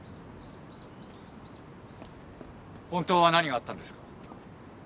本当は何があったんですか？